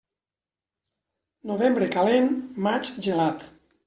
Novembre calent, maig gelat.